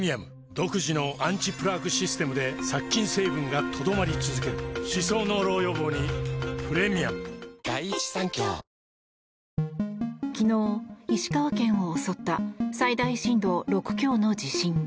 独自のアンチプラークシステムで殺菌成分が留まり続ける歯槽膿漏予防にプレミアム昨日、石川県を襲った最大震度６強の地震。